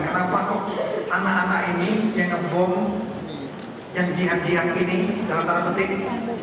kenapa kok anak anak ini yang ngebom yang jihad jihad ini